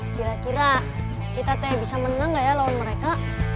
kira kira kita bisa menang gak ya lawan mereka